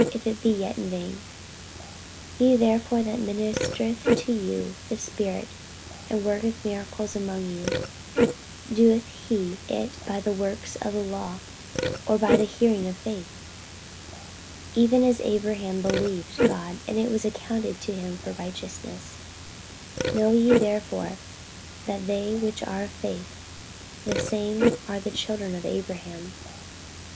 if it be yet in vain. 48:003:005 He therefore that ministereth to you the Spirit, and worketh miracles among you, doeth he it by the works of the law, or by the hearing of faith? 48:003:006 Even as Abraham believed God, and it was accounted to him for righteousness. 48:003:007 Know ye therefore that they which are of faith, the same are the children of Abraham.